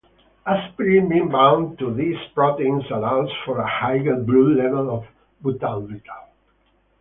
Aspirin being bound to these proteins allows for a higher blood level of Butalbital.